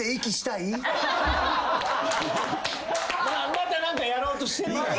また何かやろうとしてる。